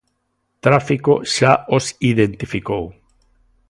Tráfico xa os identificou.